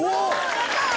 やったー！